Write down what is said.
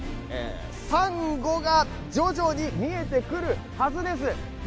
さんごが徐々に見えてくるはずです。